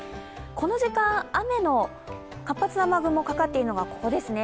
この時間、雨の活発な雨雲かかっているのが、ここですね。